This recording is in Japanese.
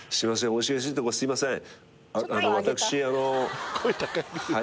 お忙しいところすいません